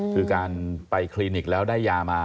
คือการไปคลินิกแล้วได้ยามา